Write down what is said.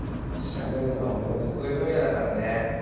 調べるのは俺の得意分野だからね。